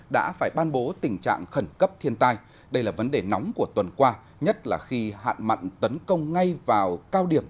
đã phải ban bố tình trạng khẩn cấp thiên tai đây là vấn đề nóng của tuần qua nhất là khi hạn mặn tấn công ngay vào cao điểm